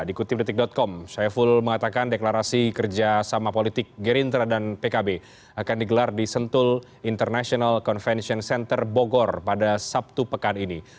dikutip detik com syaiful mengatakan deklarasi kerjasama politik gerindra dan pkb akan digelar di sentul international convention center bogor pada sabtu pekan ini